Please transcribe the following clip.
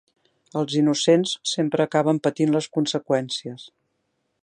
Els innocents sempre acaben patint les conseqüències.